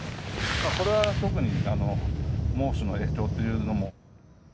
これは特に猛暑の影響というのも。